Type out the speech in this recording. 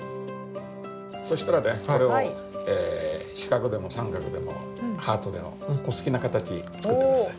そしたらねこれを四角でも三角でもハートでもお好きな形作って下さい。